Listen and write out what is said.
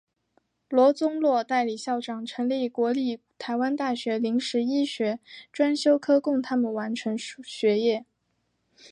罗宗洛代理校长成立国立台湾大学临时医学专修科供他们完成学业。